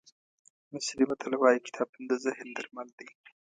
مصري متل وایي کتابتون د ذهن درمل دی.